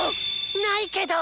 ないけど！